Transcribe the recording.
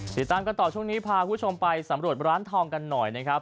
ติดตามกันต่อช่วงนี้พาคุณผู้ชมไปสำรวจร้านทองกันหน่อยนะครับ